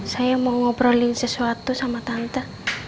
saya mau ngobrolin sesuatu sama tante